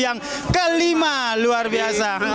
yang kelima luar biasa